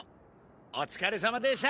お疲れさまでした。